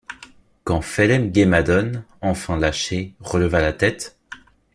Quand Phelem-ghe-madone, enfin lâché, releva la tête